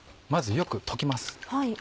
まずよく溶きます